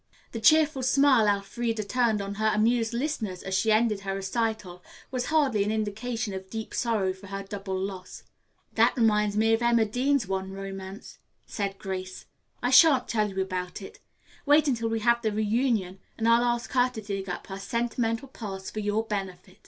The cheerful smile Elfreda turned on her amused listeners as she ended her recital was hardly an indication of deep sorrow for her double loss. "That reminds me of Emma Dean's one romance," smiled Grace. "I shan't tell you about it. Wait until we have the reunion and I'll ask her to dig up her sentimental past for your benefit."